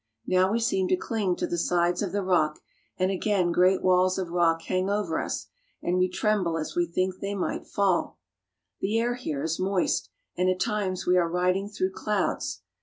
Now we seem to cling to the sides of the rock, and again great walls of rock hang over us, and we tremble as we think they might fall. The air here is moist, and at times we are riding through clouds.